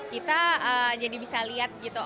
kita jadi bisa lihat gitu